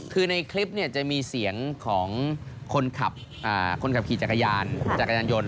คือในคลิปเนี่ยจะมีเสียงของคนขับคนขับขี่จักรยานจักรยานยนต